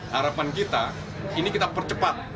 harapan kita ini kita percepat